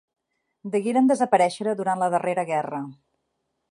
Degueren desaparèixer durant la darrera guerra.